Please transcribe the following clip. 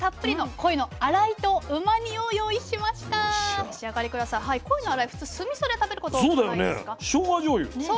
コイの洗い普通酢みそで食べること多くないですか？